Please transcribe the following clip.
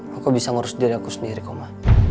aku bisa ngurus diri aku sendiri koma